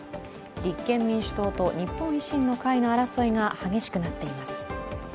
立憲民主党と日本維新の会の争いが激しくなっています。